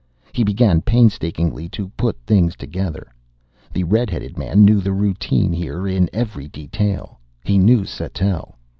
He began painstakingly to put things together. The red headed man knew the routine here in every detail. He knew Sattell.